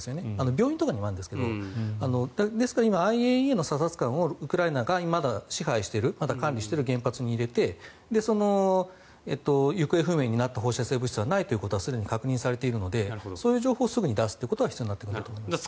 病院とかにもあるんですけどですから、今ＩＡＥＡの査察官をウクライナがまだ支配している管理している原発に入れて行方不明になった放射性物質はないということは確認されているのでそういう情報をすぐに出すことは必要になると思います。